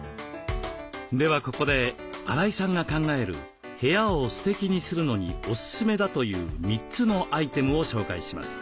ではここで荒井さんが考える部屋をステキにするのにおススメだという３つのアイテムを紹介します。